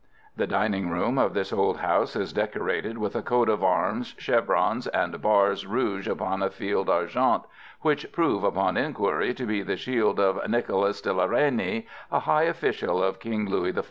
The dining room of this old house is decorated with a coat of arms, chevrons, and bars rouge upon a field argent, which prove, upon inquiry, to be the shield of Nicholas de la Reynie, a high official of King Louis XIV.